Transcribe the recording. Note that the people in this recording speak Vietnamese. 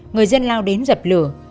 người dân lao đến dập lửa